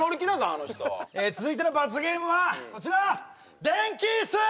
あの人続いての罰ゲームはこちら電気椅子！